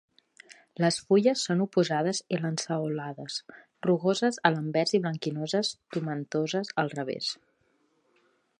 Les fulles són oposades i lanceolades, rugoses a l’anvers i blanquinoses tomentoses al revers.